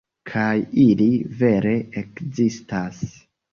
Kaj ili, vere, ekzistas.